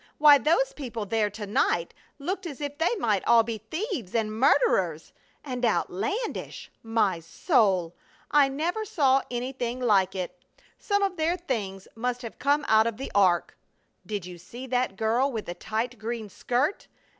Why, those people there to night looked as if they might all be thieves and murderers! And outlandish! My soul! I never saw anything like it! Some of their things must have come out of the Ark! Did you see that girl with the tight green skirt?